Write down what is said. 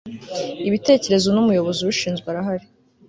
ibitekerezo numuyobozi ubishinzwe arahari